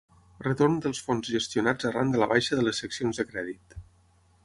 Retorn dels fons gestionats arran de la baixa de les seccions de crèdit.